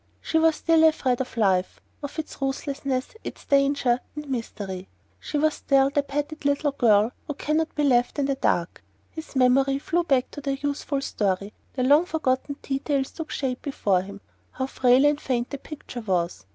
She was still afraid of life, of its ruthlessness, its danger and mystery. She was still the petted little girl who cannot be left alone in the dark...His memory flew back to their youthful story, and long forgotten details took shape before him. How frail and faint the picture was!